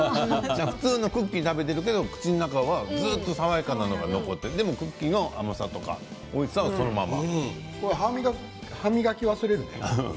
普通のクッキーを食べているけれども、口の中にはずっと爽やかなのが残っていてでもクッキーの甘さやおいしさはそのまま。